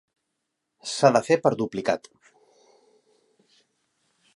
S'ha de fer per duplicat.